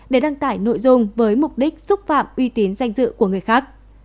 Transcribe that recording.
để đăng tải nội dung với mục đích xúc phạm uy tín danh dự của người khác